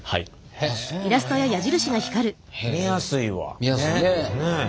へえ見やすいわ。